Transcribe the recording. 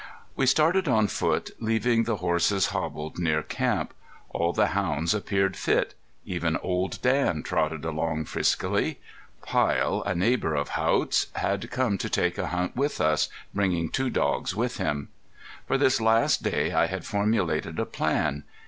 We started on foot, leaving the horses hobbled near camp. All the hounds appeared fit. Even Old Dan trotted along friskily. Pyle, a neighbor of Haught's, had come to take a hunt with us, bringing two dogs with him. For this last day I had formulated a plan.